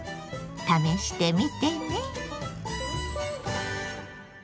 試してみてね。